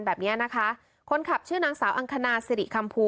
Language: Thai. แบบนี้นะคะคนขับชื่อนางสาวอังคณาสิริคำภู